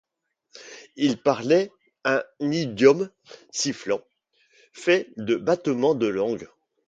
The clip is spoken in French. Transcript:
Ils parlaient un idiome sifflant, fait de battements de langue.